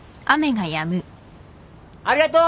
ありがとう！